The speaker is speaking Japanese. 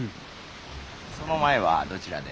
その前はどちらで？